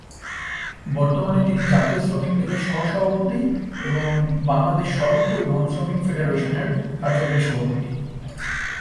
বর্তমানে তিনি জাতীয় শ্রমিক লীগের সহ-সভাপতি এবং "বাংলাদেশ সড়ক পরিবহন শ্রমিক ফেডারেশনের" কার্যকরী সভাপতি।